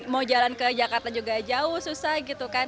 mau jalan ke jakarta juga jauh susah gitu kan